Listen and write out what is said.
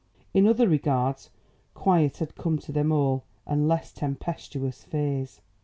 In other regards, quiet had come to them all and less tempestuous fears.